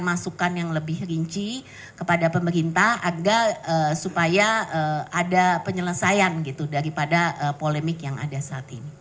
masukan yang lebih rinci kepada pemerintah agar supaya ada penyelesaian gitu daripada polemik yang ada saat ini